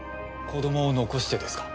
子供を残してですか？